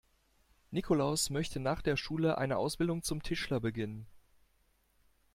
Nikolaus möchte nach der Schule eine Ausbildung zum Tischler beginnen.